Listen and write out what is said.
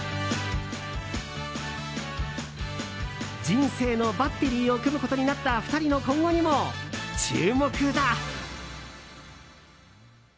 人生のバッテリーを組むことになった２人の今後にも注目だ。